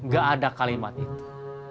gak ada kalimat itu